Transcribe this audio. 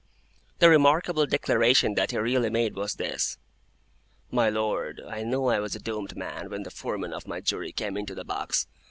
The remarkable declaration that he really made was this: "My Lord, I knew I was a doomed man, when the Foreman of my Jury came into the box.